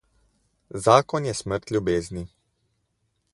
Zakon je smrt ljubezni.